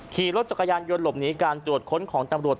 ขี่รถจักรยานยนต์หลบหนีการตรวจค้นของตำรวจ